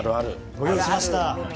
ご用意しました。